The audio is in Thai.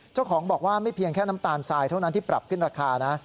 เจ้าของบอกว่าไม่เพียงแค่น้ำตาลทรายเท่านั้นที่ปรับขึ้นราคานะ